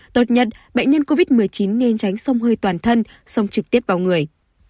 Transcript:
tốt nhất bệnh nhân covid một mươi chín nên tránh sông hơi toàn thân sông trực tiếp vào người